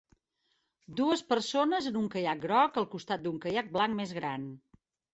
Dues persones en un caiac groc al costat d'un caiac blanc més gran